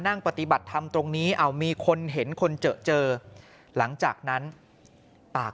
นั่งปฏิบัติธรรมตรงนี้เอามีคนเห็นคนเจอเจอหลังจากนั้นปาก